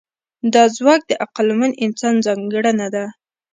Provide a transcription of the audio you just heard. دا ځواک د عقلمن انسان ځانګړنه ده.